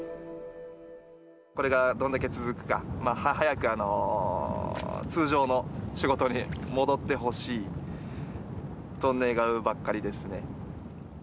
これがどんだけ続くか、早く通常の仕事に戻ってほしいと願うばっかりですね。